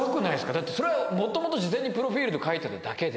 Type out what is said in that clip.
だってそれは元々事前にプロフィルで書いてただけで。